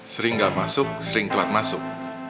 sering nggak masuk sering telat masuk